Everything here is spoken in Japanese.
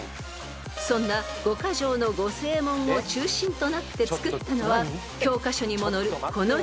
［そんな五箇条の御誓文を中心となってつくったのは教科書にも載るこの人物］